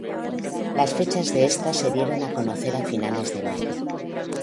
Las fechas de esta se dieron a conocer a finales de mayo.